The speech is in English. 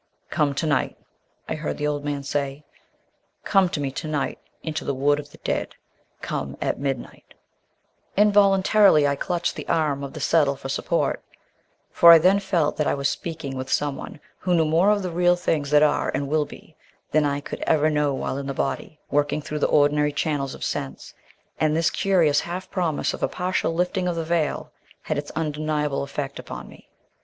"Come to night," I heard the old man say, "come to me to night into the Wood of the Dead. Come at midnight " Involuntarily I clutched the arm of the settle for support, for I then felt that I was speaking with someone who knew more of the real things that are and will be, than I could ever know while in the body, working through the ordinary channels of sense and this curious half promise of a partial lifting of the veil had its undeniable effect upon me.